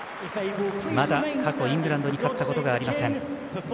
まだ過去、イングランドに勝ったことがありません。